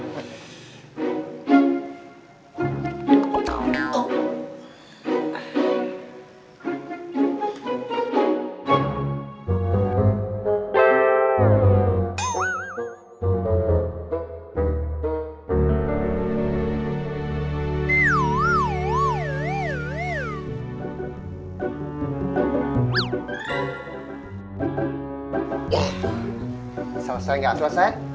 selesai enggak selesai